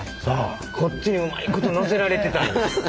こっちにうまいこと乗せられてたんや。